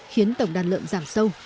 khiến tổng đàn lợn giảm sâu